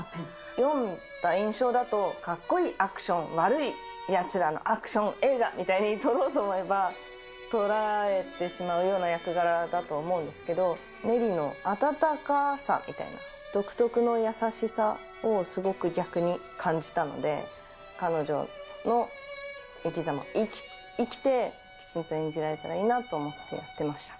読んだ印象だとかっこいいアクション、悪いやつらのアクション映画みたいに取ろうと思えば捉えてしまうような役柄だと思うんですけれども、ネリの温かさみたいな、独特の優しさをすごく逆に感じたので、彼女の生きざま、生きてきちんと演じられたらいいなと思ってやってました。